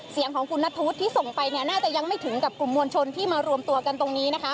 เสียงของคุณนัทธวุฒิที่ส่งไปเนี่ยน่าจะยังไม่ถึงกับกลุ่มมวลชนที่มารวมตัวกันตรงนี้นะคะ